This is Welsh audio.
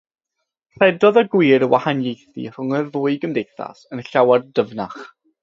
Rhedodd y gwir wahaniaethau rhwng y ddwy gymdeithas yn llawer dyfnach.